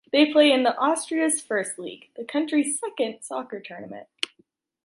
They play in Austria’s First League, the country’s second soccer tournament.